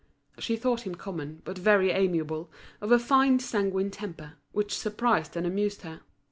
She thought him common, but very amiable, of a fine sanguine temper, which surprised and amused her.